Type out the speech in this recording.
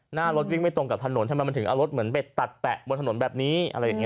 หน้ารถวิ่งไม่ตรงกับถนนทำไมมันถึงเอารถเหมือนไปตัดแปะบนถนนแบบนี้อะไรอย่างนี้